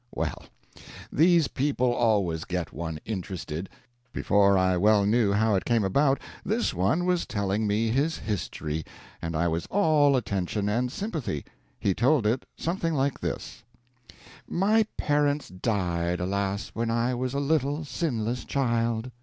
Well, these people always get one interested. Before I well knew how it came about, this one was telling me his history, and I was all attention and sympathy. He told it something like this: My parents died, alas, when I was a little, sinless child.